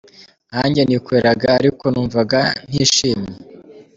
Nka njye nikoreraga ariko numvaga ntishimye.